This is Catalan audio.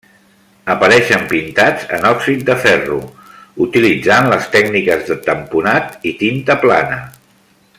Apareixen pintats en òxid de ferro, utilitzant les tècniques de tamponat i tinta plana.